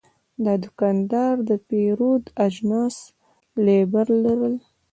دا دوکاندار د پیرود اجناس لیبل کړل.